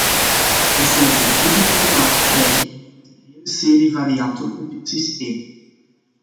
We zullen vermoedelijk te maken krijgen met een hele serie varianten op dit systeem.